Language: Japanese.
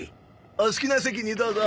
お好きな席にどうぞ。